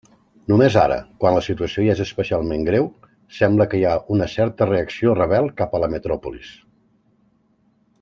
Només ara, quan la situació ja és especialment greu, sembla que hi ha una certa reacció rebel cap a la metròpolis.